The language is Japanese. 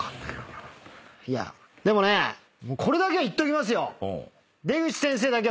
でもねこれだけは言っときますよ！